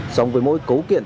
sống với mỗi cấu kiện